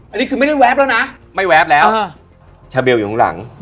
อันนี้คือไม่ได้แป๊บแล้วนะไม่แวบแล้วชาเบลอยู่ข้างหลัง